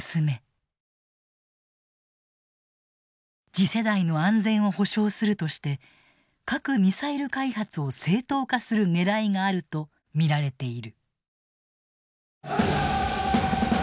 次世代の安全を保障するとして核・ミサイル開発を正当化するねらいがあると見られている。